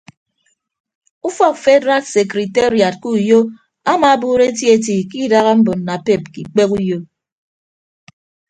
Ufọk fedraad sekriteriad ke uyo amaabuuro eti eti ke idaha mbon napep ke ikpehe uyo.